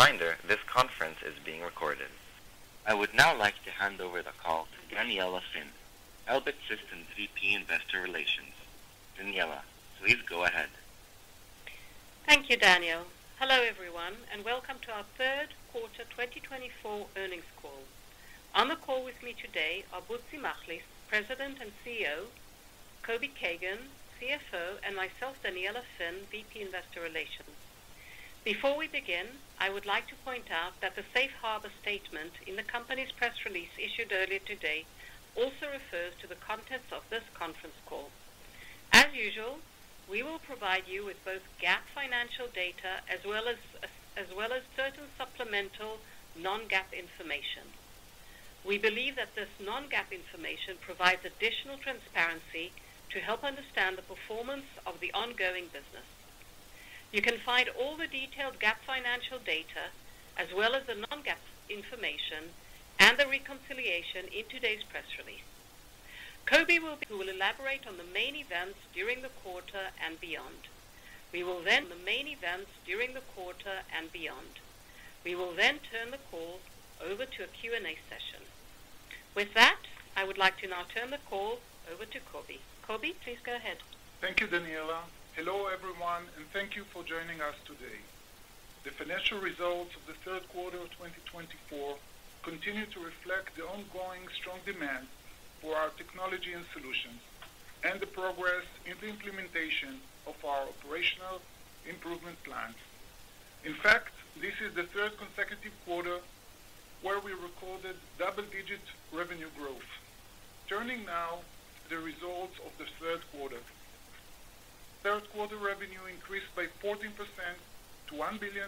As a reminder, this conference is being recorded. I would now like to hand over the call to Daniella Finn, Elbit Systems VP Investor Relations. Daniella, please go ahead. Thank you, Daniel. Hello, everyone, and welcome to our third quarter 2024 earnings call. On the call with me today are Butzi Machlis, President and CEO; Kobi Kagan, CFO; and myself, Daniella Finn, VP Investor Relations. Before we begin, I would like to point out that the Safe Harbor statement in the company's press release issued earlier today also refers to the contents of this conference call. As usual, we will provide you with both GAAP financial data as well as certain supplemental non-GAAP information. We believe that this non-GAAP information provides additional transparency to help understand the performance of the ongoing business. You can find all the detailed GAAP financial data as well as the non-GAAP information and the reconciliation in today's press release. Kobi will elaborate on the main events during the quarter and beyond. We will then turn the main events during the quarter and beyond. We will then turn the call over to a Q&A session. With that, I would like to now turn the call over to Kobi. Kobi, please go ahead. Thank you, Daniella. Hello, everyone, and thank you for joining us today. The financial results of the third quarter of 2024 continue to reflect the ongoing strong demand for our technology and solutions and the progress in the implementation of our operational improvement plans. In fact, this is the third consecutive quarter where we recorded double-digit revenue growth. Turning now to the results of the third quarter. Third quarter revenue increased by 14% to $1,718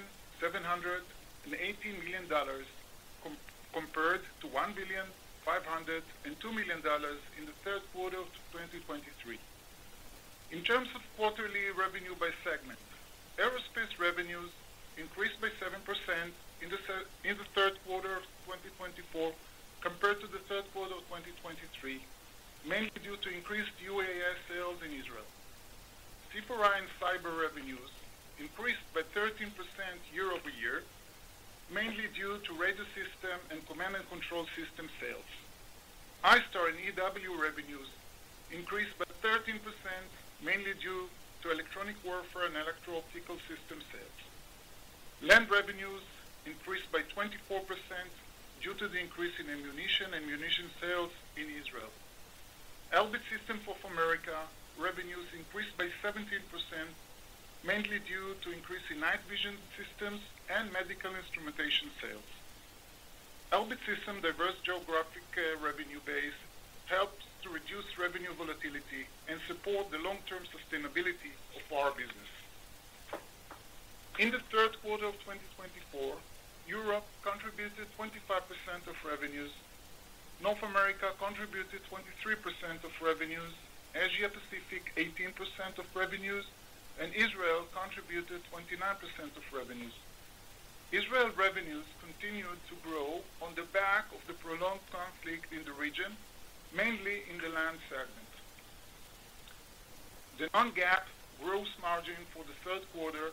million dollars compared to $1,502 million in the third quarter of 2023. In terms of quarterly revenue by segment, aerospace revenues increased by 7% in the third quarter of 2024 compared to the third quarter of 2023, mainly due to increased UAS sales in Israel. C4I and cyber revenues increased by 13% year over year, mainly due to radio system and command and control system sales. ISTAR and EW revenues increased by 13%, mainly due to electronic warfare and electro-optical system sales. Land revenues increased by 24% due to the increase in ammunition and munition sales in Israel. Elbit Systems of America revenues increased by 17%, mainly due to the increase in night vision systems and medical instrumentation sales. Elbit Systems' diverse geographic revenue base helps to reduce revenue volatility and support the long-term sustainability of our business. In the third quarter of 2024, Europe contributed 25% of revenues. North America contributed 23% of revenues, Asia-Pacific 18% of revenues, and Israel contributed 29% of revenues. Israel revenues continued to grow on the back of the prolonged conflict in the region, mainly in the land segment. The non-GAAP gross margin for the third quarter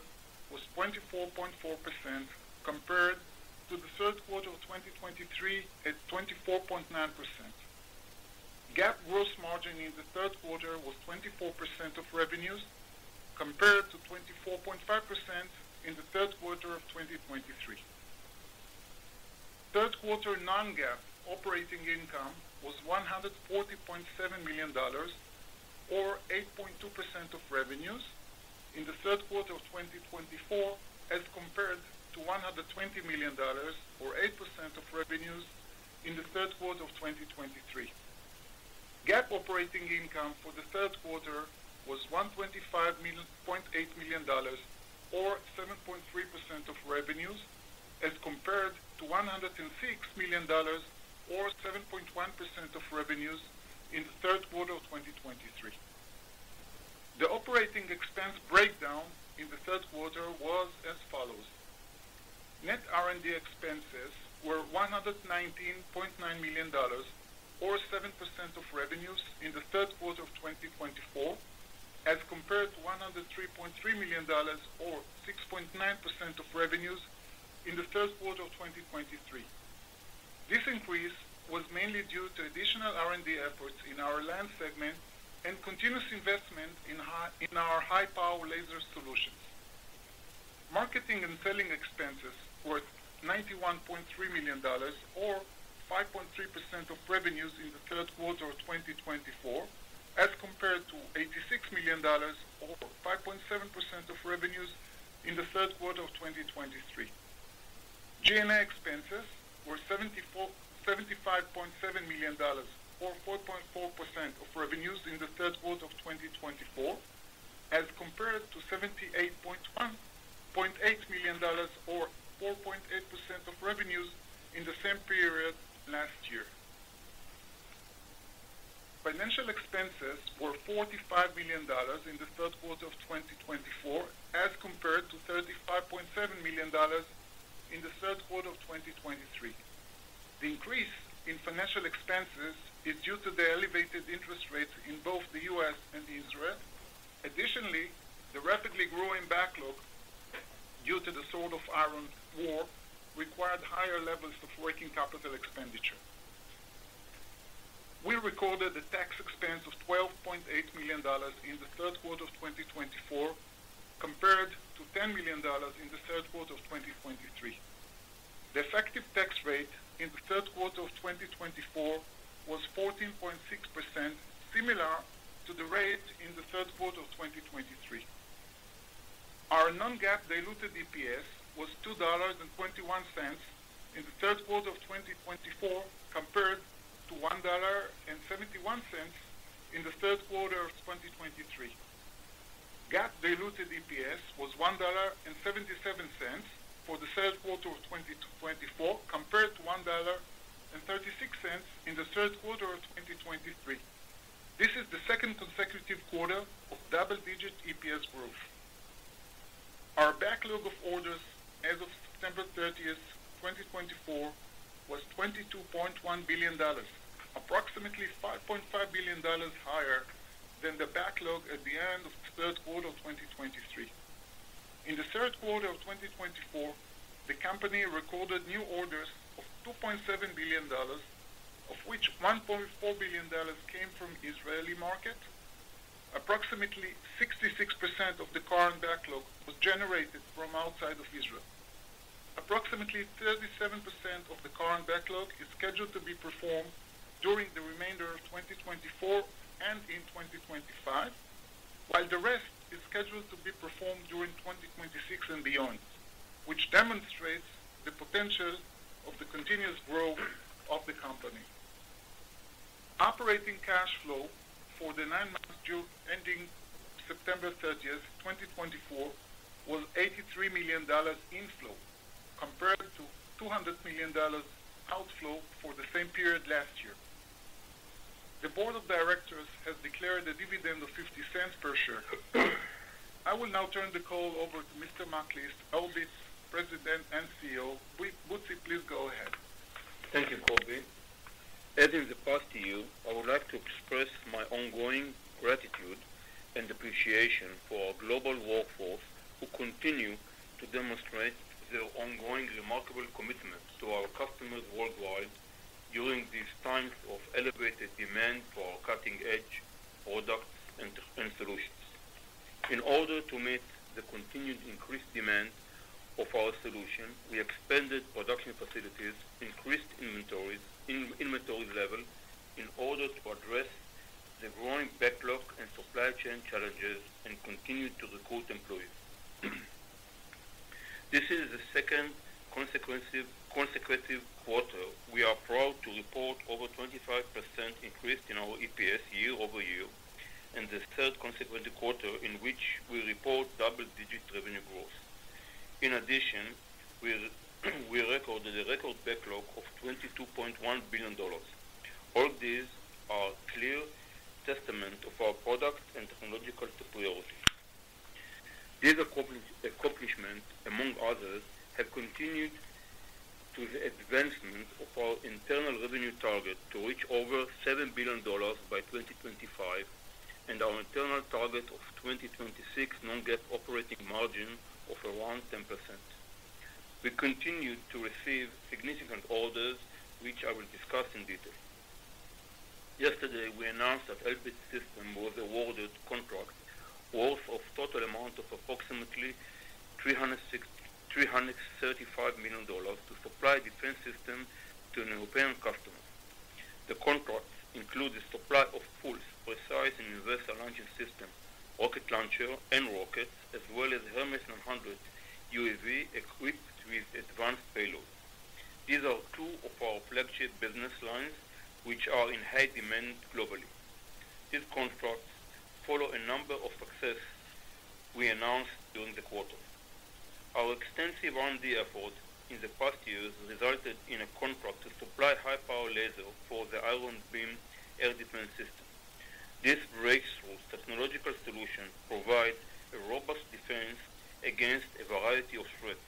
was 24.4% compared to the third quarter of 2023 at 24.9%. GAAP gross margin in the third quarter was 24% of revenues compared to 24.5% in the third quarter of 2023. Third quarter non-GAAP operating income was $140.7 million, or 8.2% of revenues, in the third quarter of 2024 as compared to $120 million, or 8% of revenues, in the third quarter of 2023. GAAP operating income for the third quarter was $125.8 million, or 7.3% of revenues, as compared to $106 million, or 7.1% of revenues, in the third quarter of 2023. The operating expense breakdown in the third quarter was as follows: Net R&D expenses were $119.9 million, or 7% of revenues, in the third quarter of 2024, as compared to $103.3 million, or 6.9% of revenues, in the third quarter of 2023. This increase was mainly due to additional R&D efforts in our land segment and continuous investment in our high-power laser solutions. Marketing and selling expenses were $91.3 million, or 5.3% of revenues, in the third quarter of 2024, as compared to $86 million, or 5.7% of revenues, in the third quarter of 2023. G&A expenses were $75.7 million, or 4.4% of revenues, in the third quarter of 2024, as compared to $78.8 million, or 4.8% of revenues, in the same period last year. Financial expenses were $45 million in the third quarter of 2024, as compared to $35.7 million in the third quarter of 2023. The increase in financial expenses is due to the elevated interest rates in both the U.S. and Israel. Additionally, the rapidly growing backlog due to the Swords of Iron War required higher levels of working capital expenditure. We recorded a tax expense of $12.8 million in the third quarter of 2024, compared to $10 million in the third quarter of 2023. The effective tax rate in the third quarter of 2024 was 14.6%, similar to the rate in the third quarter of 2023. Our non-GAAP diluted EPS was $2.21 in the third quarter of 2024, compared to $1.71 in the third quarter of 2023. GAAP diluted EPS was $1.77 for the third quarter of 2024, compared to $1.36 in the third quarter of 2023. This is the second consecutive quarter of double-digit EPS growth. Our backlog of orders as of September 30, 2024, was $22.1 billion, approximately $5.5 billion higher than the backlog at the end of the third quarter of 2023. In the third quarter of 2024, the company recorded new orders of $2.7 billion, of which $1.4 billion came from the Israeli market. Approximately 66% of the current backlog was generated from outside of Israel. Approximately 37% of the current backlog is scheduled to be performed during the remainder of 2024 and in 2025, while the rest is scheduled to be performed during 2026 and beyond, which demonstrates the potential of the continuous growth of the company. Operating cash flow for the nine months ended September 30, 2024, was $83 million inflow, compared to $200 million outflow for the same period last year. The board of directors has declared a dividend of $0.50 per share. I will now turn the call over to Mr. Machlis, Elbit's President and CEO. Butzi, please go ahead. Thank you, Kobi. And with that, I would like to express my ongoing gratitude and appreciation for our global workforce who continue to demonstrate their ongoing remarkable commitment to our customers worldwide during these times of elevated demand for our cutting-edge products and solutions. In order to meet the continued, increased demand for our solutions, we expanded production facilities, increased inventory levels in order to address the growing backlog and supply chain challenges, and continued to recruit employees. This is the second consecutive quarter we are proud to report over 25% increase in our EPS year over year and the third consecutive quarter in which we report double-digit revenue growth. In addition, we recorded a record backlog of $22.1 billion. All these are clear testaments of our product and technological superiority. These accomplishments, among others, have contributed to the advancement of our internal revenue target to reach over $7 billion by 2025 and our internal target of 2026 non-GAAP operating margin of around 10%. We continue to receive significant orders, which I will discuss in detail. Yesterday, we announced that Elbit Systems was awarded a contract worth of total amount of approximately $335 million to supply defense systems to a European customer. The contract includes the supply of PULS, rocket launcher, and rockets, as well as Hermes 900 UAV equipped with advanced payloads. These are two of our flagship business lines, which are in high demand globally. These contracts follow a number of successes we announced during the quarter. Our extensive R&D effort in the past years resulted in a contract to supply high-power laser for the Iron Beam air defense system. This breakthrough technological solution provides a robust defense against a variety of threats.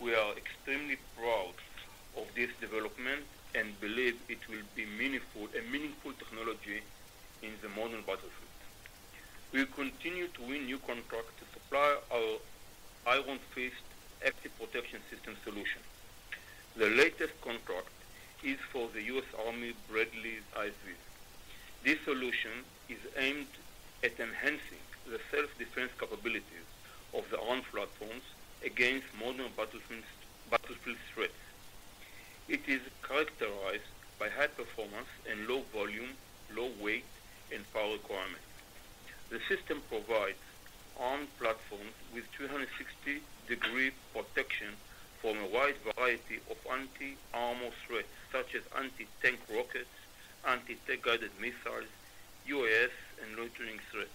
We are extremely proud of this development and believe it will be a meaningful technology in the modern battlefield. We continue to win new contracts to supply our Iron Fist active protection system solution. The latest contract is for the US Army Bradley IFVs. This solution is aimed at enhancing the self-defense capabilities of the armed platforms against modern battlefield threats. It is characterized by high performance and low volume, low weight, and power requirements. The system provides armed platforms with 360-degree protection from a wide variety of anti-armor threats, such as anti-tank rockets, anti-guided missiles, UAS, and loitering threats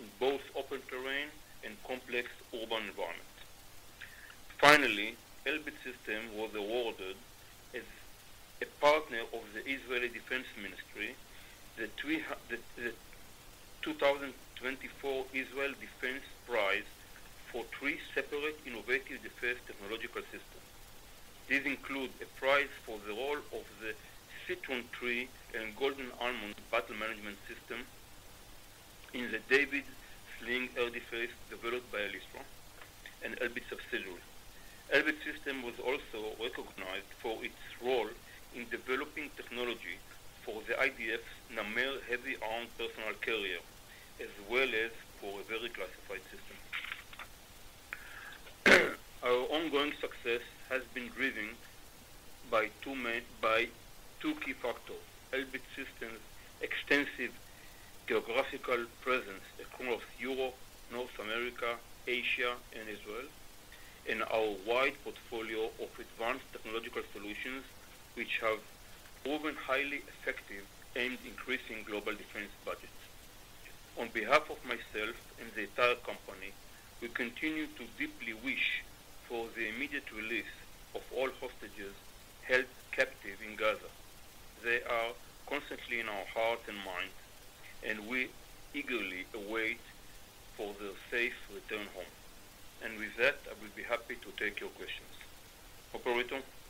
in both open terrain and complex urban environments. Finally, Elbit Systems was awarded as a partner of the Israeli Defense Ministry the 2024 Israel Defense Prize for three separate innovative defense technological systems. These include a prize for the role of the Citron Tree and Golden Almond Battle Management System in the David's Sling air defense developed by Elisra and Elbit subsidiary. Elbit Systems was also recognized for its role in developing technology for the IDF's NAMER heavy armored personnel carrier, as well as for a very classified system. Our ongoing success has been driven by two key factors: Elbit Systems' extensive geographical presence across Europe, North America, Asia, and Israel, and our wide portfolio of advanced technological solutions, which have proven highly effective and increasing global defense budgets. On behalf of myself and the entire company, we continue to deeply wish for the immediate release of all hostages held captive in Gaza. They are constantly in our heart and mind, and we eagerly await for their safe return home. And with that, I will be happy to take your questions. Thank you. Ladies and gentlemen, at this time, we will begin the question and answer session. I have a question based directly on our client. Hi, guys. Thanks for the question, and congrats on the quarter.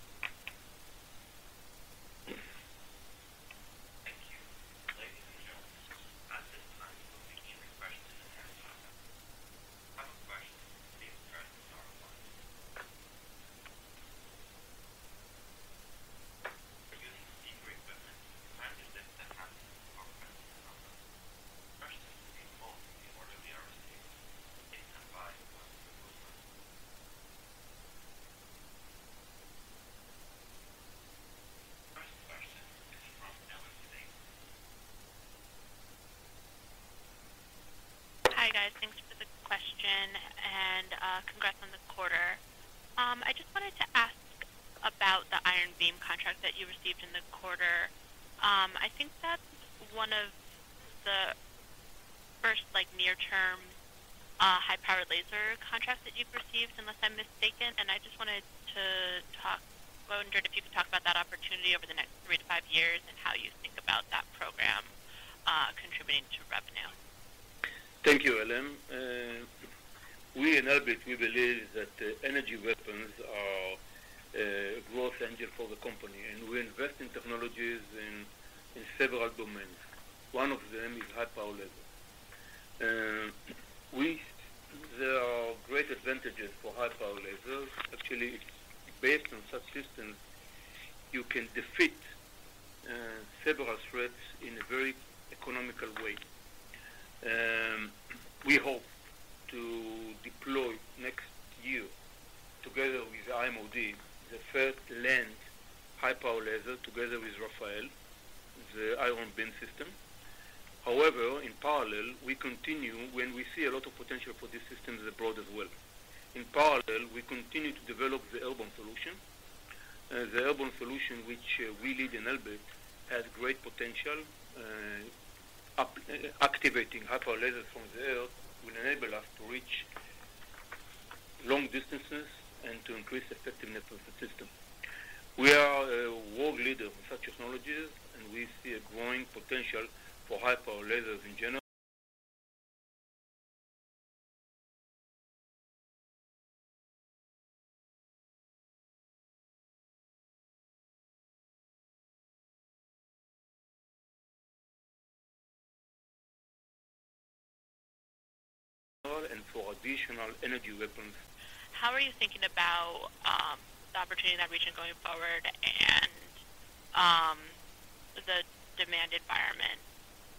I just wanted to ask about the Iron Beam contract that you received in the quarter. I think that's one of the first near-term high-power laser contracts that you've received, unless I'm mistaken, and I just wanted to wonder if you could talk about that opportunity over the next three to five years and how you think about that program contributing to revenue. Thank you, [Elin]. We in Elbit, we believe that energy weapons are a growth engine for the company, and we invest in technologies in several domains. One of them is high-power lasers. There are great advantages for high-power lasers. Actually, it's based on such systems you can defeat several threats in a very economical way. We hope to deploy next year, together with IMOD, the first land high-power laser, together with Rafael, the Iron Beam system. However, in parallel, we continue when we see a lot of potential for these systems abroad as well. In parallel, we continue to develop the airborne solution. The airborne solution, which we lead in Elbit, has great potential. Activating high-power lasers from the air will enable us to reach long distances and to increase the effectiveness of the system. We are a world leader in such technologies, and we see a growing potential for high-power lasers in general and for additional energy weapons. How are you thinking about the opportunity in that region going forward and the demand environment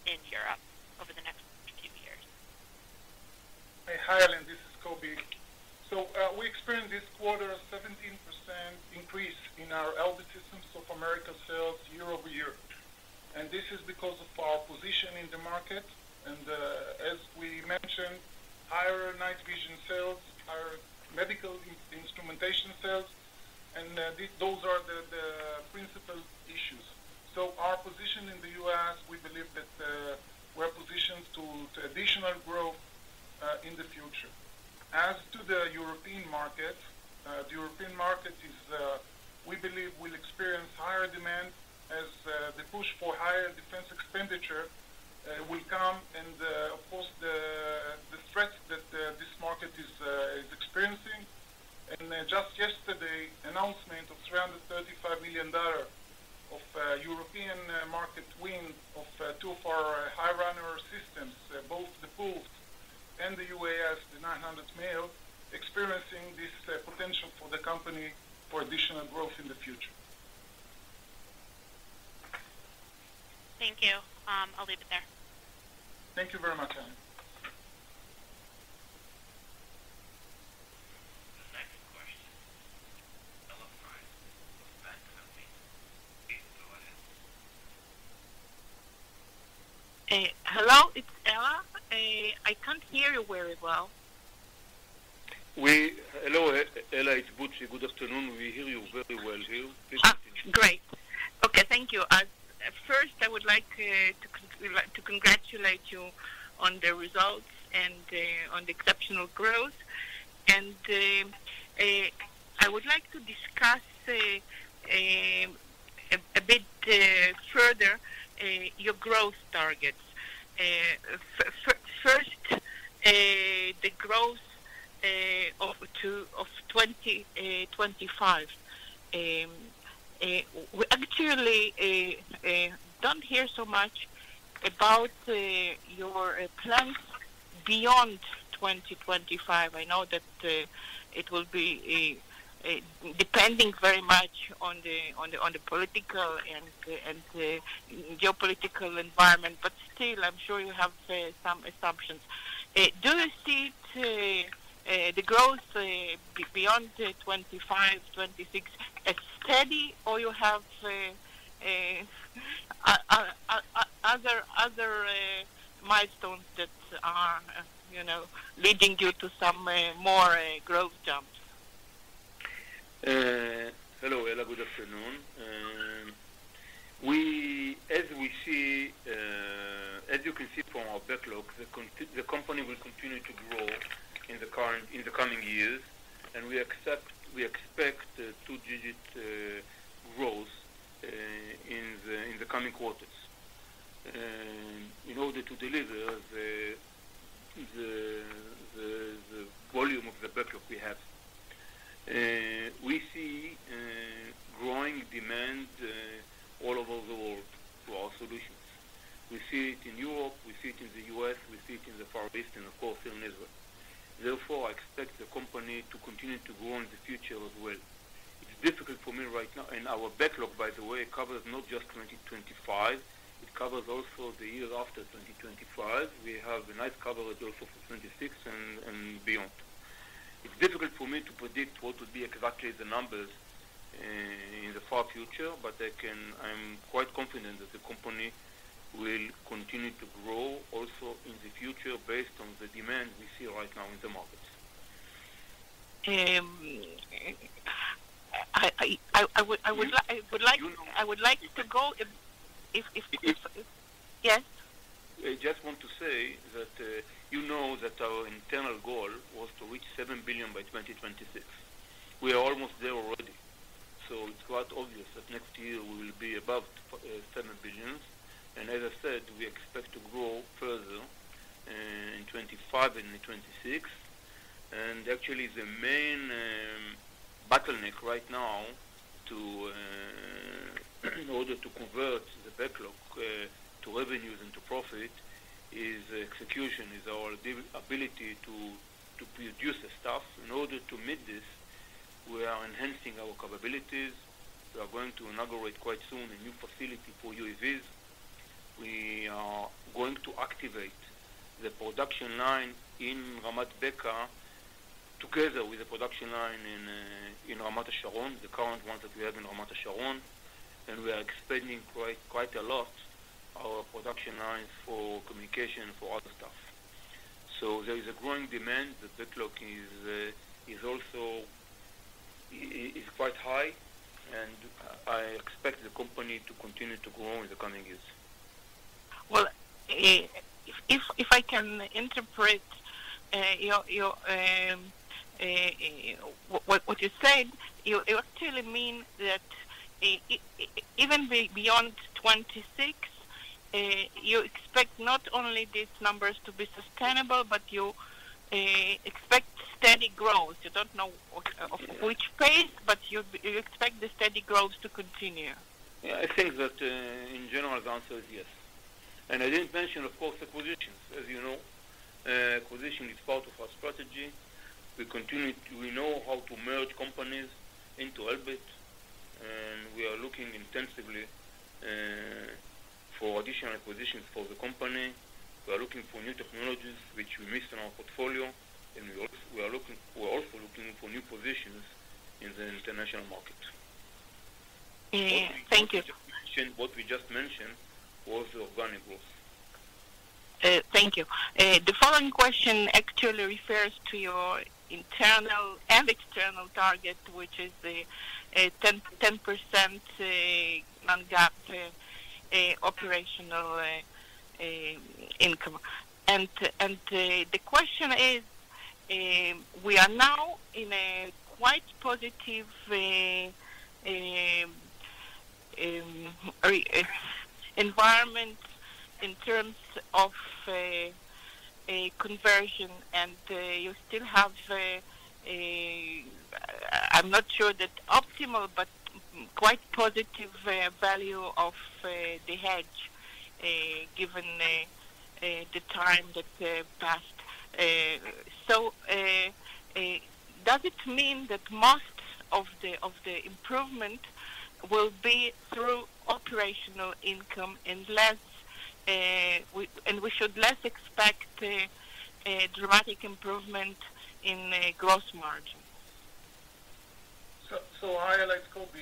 in Europe over the next few years? Hi,[Elin]. This is Kobi. So we experienced this quarter a 17% increase in our Elbit Systems of America sales year over year. And this is because of our position in the market. And as we mentioned, higher night vision sales, higher medical instrumentation sales, and those are the principal issues. So our position in the US, we believe that we're positioned to additional growth in the future. As to the European market, the European market, we believe, will experience higher demand as the push for higher defense expenditure will come. And, of course, the threat that this market is experiencing. And just yesterday, announcement of $335 million of European market win of two of our high-runner systems, both the PULS and the UAS, the Hermes 900, experiencing this potential for the company for additional growth in the future. Thank you. I'll leave it there. Thank you very much, [Elin]. Hello. It's Ella. I can't hear you very well. Hello, Ella. It's Butzi. Good afternoon. We hear you very well here. Please continue. Great. Okay. Thank you. First, I would like to congratulate you on the results and on the exceptional growth. And I would like to discuss a bit further your growth targets. First, the growth of 2025. We actually don't hear so much about your plans beyond 2025. I know that it will be depending very much on the political and geopolitical environment. But still, I'm sure you have some assumptions. Do you see the growth beyond 2025, 2026 as steady, or you have other milestones that are leading you to some more growth jumps? Hello, Ella. Good afternoon. As you can see from our backlog, the company will continue to grow in the coming years, and we expect two-digit growth in the coming quarters in order to deliver the volume of the backlog we have. We see growing demand all over the world for our solutions. We see it in Europe. We see it in the U.S. We see it in the Far East and, of course, in Israel. Therefore, I expect the company to continue to grow in the future as well. It's difficult for me right now, and our backlog, by the way, covers not just 2025. It covers also the year after 2025. We have a nice coverage also for 2026 and beyond. It's difficult for me to predict what would be exactly the numbers in the far future, but I'm quite confident that the company will continue to grow also in the future based on the demand we see right now in the markets. I would like to go if. You know. Yes? I just want to say that you know that our internal goal was to reach $7 billion by 2026. We are almost there already. So it's quite obvious that next year we will be above $7 billion. And as I said, we expect to grow further in 2025 and in 2026. And actually, the main bottleneck right now in order to convert the backlog to revenues and to profit is execution, is our ability to produce stuff. In order to meet this, we are enhancing our capabilities. We are going to inaugurate quite soon a new facility for UAVs. We are going to activate the production line in Ramat Beka together with the production line in Ramat HaSharon, the current one that we have in Ramat HaSharon. And we are expanding quite a lot our production lines for communication, for other stuff. So there is a growing demand. The backlog is quite high, and I expect the company to continue to grow in the coming years. If I can interpret what you said, you actually mean that even beyond 2026, you expect not only these numbers to be sustainable, but you expect steady growth. You don't know of which phase, but you expect the steady growth to continue. Yeah. I think that, in general, the answer is yes. And I didn't mention, of course, acquisitions. As you know, acquisition is part of our strategy. We know how to merge companies into Elbit, and we are looking intensively for additional acquisitions for the company. We are looking for new technologies, which we miss in our portfolio, and we are also looking for new positions in the international market. Thank you. What we just mentioned was organic growth. Thank you. The following question actually refers to your internal and external target, which is the 10% target operational income, and the question is, we are now in a quite positive environment in terms of conversion, and you still have, I'm not sure that optimal, but quite positive value of the hedge given the time that passed, so does it mean that most of the improvement will be through operational income and we should expect less dramatic improvement in gross margin? Hi, Ella. It's Kobi.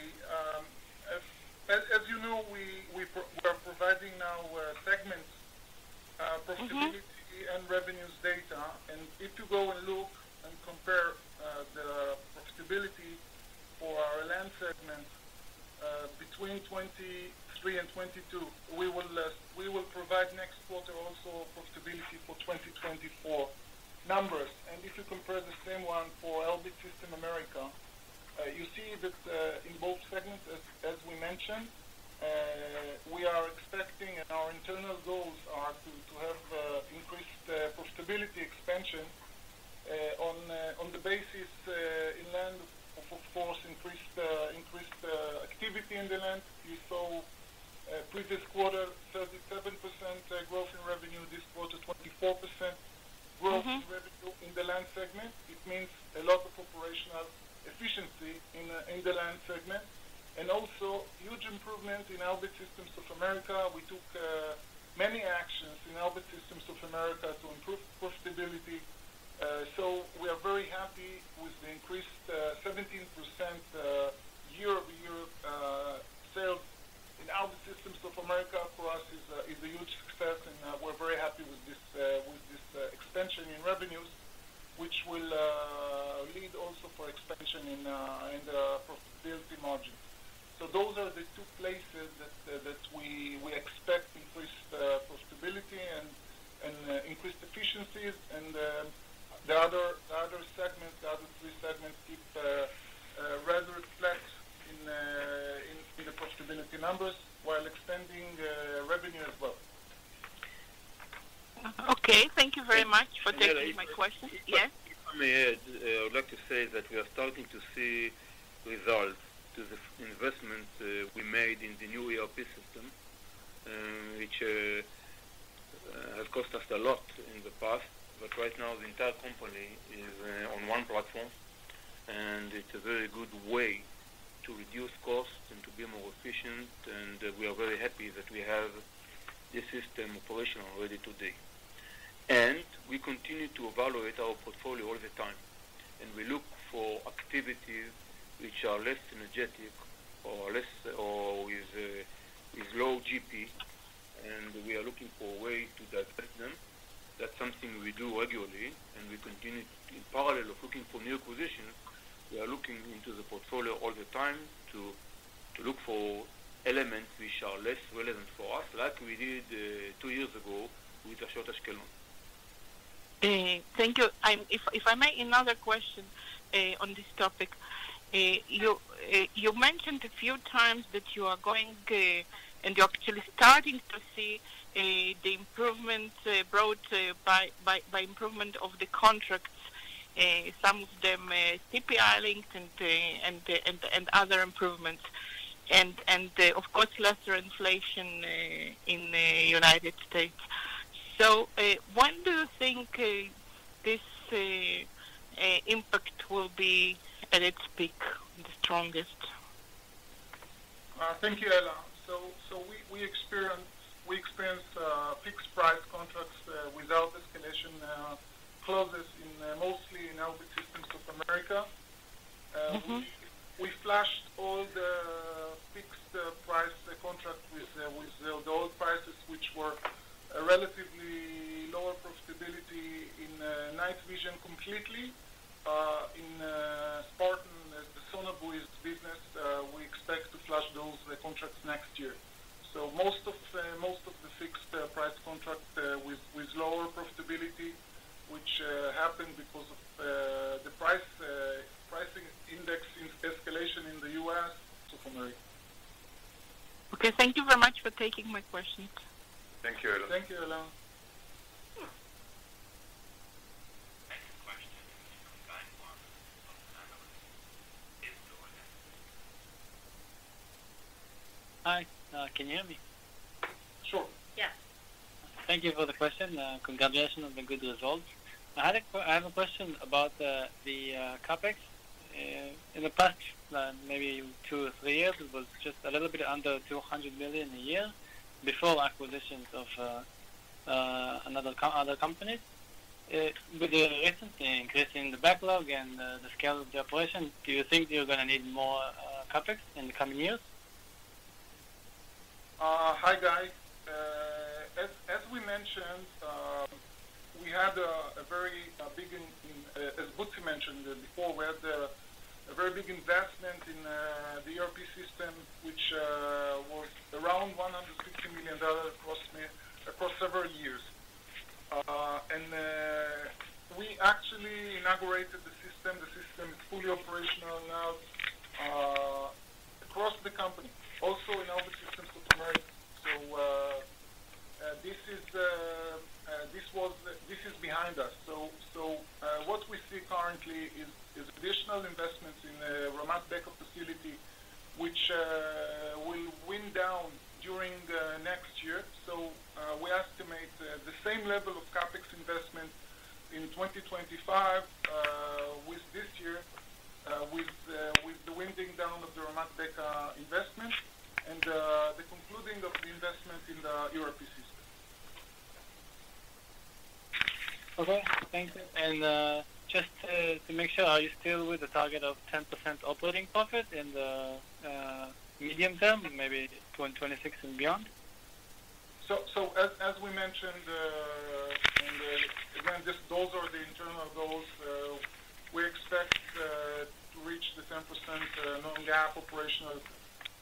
As you know, we are providing now segment profitability and revenues data. If you go and look and compare the profitability for our land segment between 2023 and 2022, we will provide next quarter also profitability for 2024 numbers. If you compare the same one for Elbit Systems of America, you see that in both segments, as we mentioned, we are expecting, and our internal goals are to have increased profitability expansion on the basis in land of, of course, increased activity in the land. You saw previous quarter 37% growth in revenue, this quarter 24% growth in revenue in the land segment. It means a lot of operational efficiency in the land segment. Also, huge improvement in Elbit Systems of America. We took many actions in Elbit Systems of America to improve profitability. We are very happy with the increased 17% year over year sales in Elbit Systems of America. For us, it's a huge success, and we're very happy with this expansion in revenues, which will lead also for expansion in the profitability margins. Those are the two places that we expect increased profitability and increased efficiencies. The other segments, the other three segments, keep rather flat in the profitability numbers while expanding revenue as well. Okay. Thank you very much for taking my question. I would like to say that we are starting to see results to the investment we made in the new ERP system, which has cost us a lot in the past. But right now, the entire company is on one platform, and it's a very good way to reduce costs and to be more efficient. And we are very happy that we have this system operational already today. And we continue to evaluate our portfolio all the time. And we look for activities which are less energetic or with low GP, and we are looking for a way to digest them. That's something we do regularly. And in parallel of looking for new acquisitions, we are looking into the portfolio all the time to look for elements which are less relevant for us, like we did two years ago with Ashot Ashkelon. Thank you. If I may, another question on this topic. You mentioned a few times that you are going, and you're actually starting to see the improvement brought by improvement of the contracts, some of them CPI-linked and other improvements, and, of course, lesser inflation in the United States. So when do you think this impact will be at its peak, the strongest? Thank you, Ella. So we experience fixed price contracts without escalation clauses mostly in Elbit Systems of America. We flashed all the fixed price contracts with the old prices, which were relatively lower profitability in night vision completely. In Sparton, the sonobuoys business, we expect to flash those contracts next year. So most of the fixed price contracts with lower profitability, which happened because of the pricing index escalation in the U.S. of America. Okay. Thank you very much for taking my questions. Thank you, Ella. Thank you, Ella. Hi. Can you hear me? Sure. Yes. Thank you for the question. Congratulations on the good results. I have a question about the CapEx. In the past, maybe two or three years, it was just a little bit under $200 million a year before acquisitions of other companies. With the recent increase in the backlog and the scale of the operation, do you think you're going to need more CapEx in the coming years? Hi, guys. As we mentioned, we had a very big—as Butzi mentioned before—we had a very big investment in the ERP system, which was around $150 million across several years, and we actually inaugurated the system. The system is fully operational now across the company, also in Elbit Systems of America, so this is behind us, so what we see currently is additional investments in the Ramat Beka facility, which will wind down during next year, so we estimate the same level of Capex investment in 2025 with this year, with the winding down of the Ramat Beka investment and the concluding of the investment in the ERP system. Okay. Thank you. And just to make sure, are you still with the target of 10% operating profit in the medium term, maybe 2026 and beyond? As we mentioned, again, those are the internal goals. We expect to reach the 10% non-GAAP operational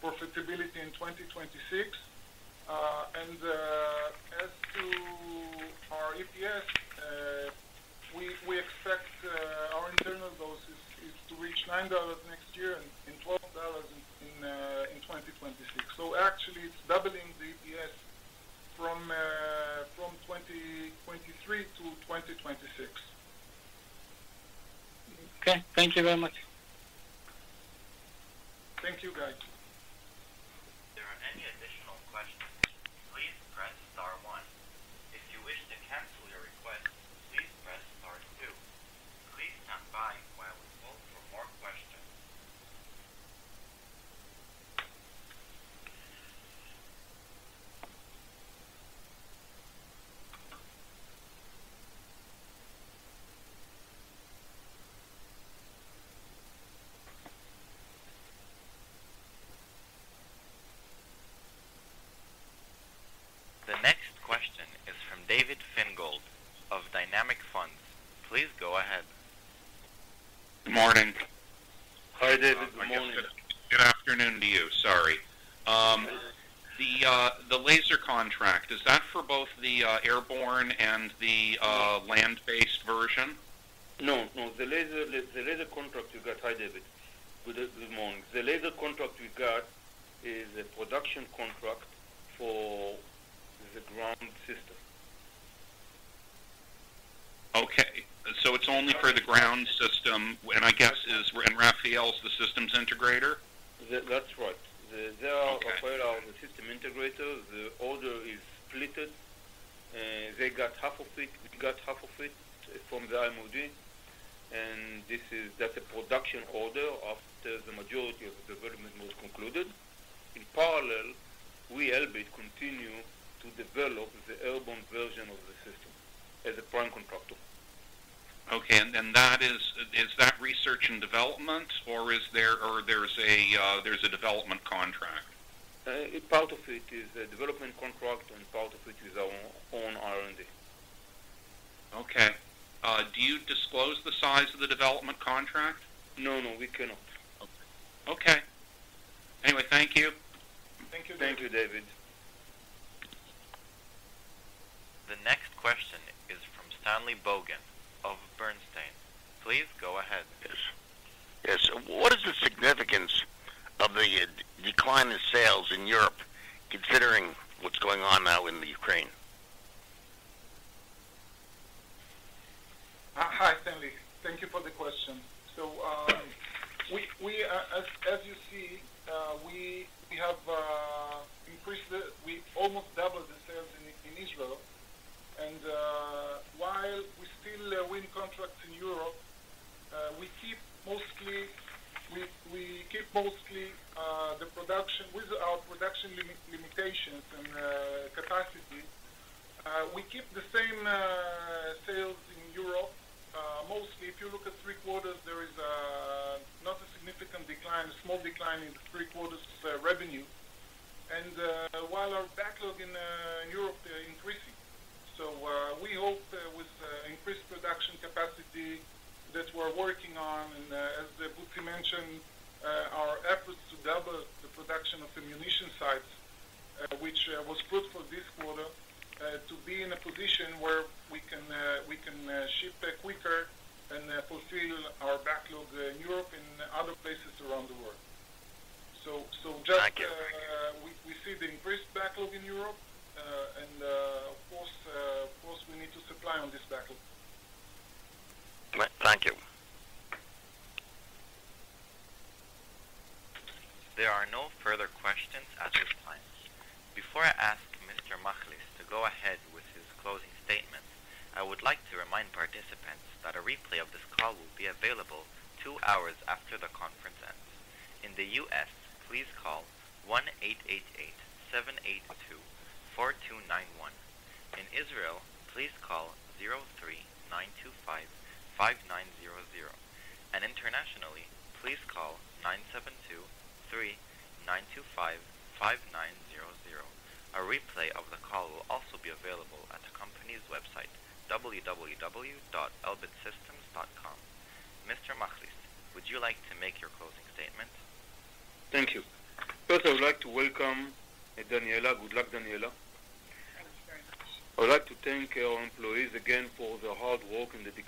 profitability in 2026. As to our EPS, we expect our internal goal is to reach $9 next year and $12 in 2026. Actually, it's doubling the EPS from 2023 to 2026. Okay. Thank you very much. Thank you, Guy. If there are any additional questions, please press star one. If you wish to cancel your request, please press star two. Please stand by while we hold for more questions. The next question is from David Fingold of Dynamic Funds. Please go ahead. Good morning. Hi, David. Good morning. Good afternoon to you. Sorry. The laser contract, is that for both the airborne and the land-based version? No. No. The laser contract you got. Hi, David. Good morning. The laser contract we got is a production contract for the ground system. Okay. So it's only for the ground system, and I guess Rafael's the systems integrator? That's right. They, Rafael, are the system integrator. The order is split. They got half of it. We got half of it from the IMOD, and that's a production order after the majority of the development was concluded. In parallel, we, Elbit, continue to develop the airborne version of the system as a prime contractor. Okay. And is that research and development, or there's a development contract? Part of it is a development contract, and part of it is our own R&D. Okay. Do you disclose the size of the development contract? No. No. We cannot. Okay. Anyway, thank you. Thank you, David. Thank you, David. The next question is from Stanley Bogen of Bernstein. Please go ahead. Yes. Yes. What is the significance of the decline in sales in Europe, considering what's going on now in Ukraine? Hi, Stanley. Thank you for the question. So as you see, we have almost doubled the sales in Israel. And while we still win contracts in Europe, we keep mostly the production with our production limitations and capacity. We keep the same sales in Europe. Mostly, if you look at three quarters, there is not a significant decline, a small decline in three quarters revenue. And while our backlog in Europe is increasing, so we hope with increased production capacity that we're working on. And as Butzi mentioned, our efforts to double the production of ammunition sites, which was put for this quarter, to be in a position where we can ship quicker and fulfill our backlog in Europe and other places around the world. So just we see the increased backlog in Europe. And of course, we need to supply on this backlog. Thank you. There are no further questions at this time. Before I ask Mr. Machlis to go ahead with his closing statement, I would like to remind participants that a replay of this call will be available two hours after the conference ends. In the U.S., please call 1-888-782-4291. In Israel, please call 03-925-5900. And internationally, please call 972-3-925-5900. A replay of the call will also be available at the company's website, www.elbitsystems.com. Mr. Machlis, would you like to make your closing statement? Thank you. First, I would like to welcome Daniella. Good luck, Daniella. Thank you very much. I would like to thank our employees again for the hard work in the.